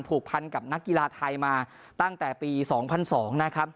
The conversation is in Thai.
ผูกพันกับนักกีฬาไทยมาตั้งแต่ปี๒๐๐๒นะครับ